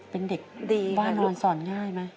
เป็นเด็กดีป้านอนสอนง่ายไหม